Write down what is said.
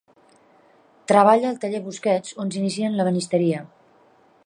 Treballa al taller Busquets on s'inicia en l'ebenisteria.